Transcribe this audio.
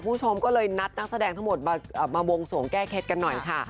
คุณผู้ชมก็เลยนัดนักแสดงทั้งหมดมาบวงสวงแก้เคล็ดกันหน่อยค่ะ